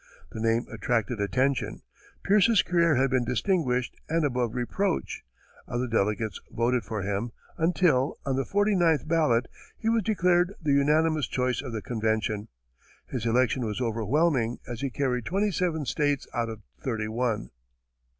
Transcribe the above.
The name attracted attention, Pierce's career had been distinguished and above reproach, other delegates voted for him, until, on the forty ninth ballot, he was declared the unanimous choice of the convention. His election was overwhelming, as he carried twenty seven states out of thirty one.